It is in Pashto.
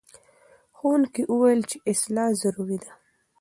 ښوونکي وویل چې اصلاح ضروري ده.